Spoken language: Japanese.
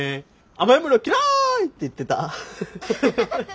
「甘い物嫌い！」って言ってた。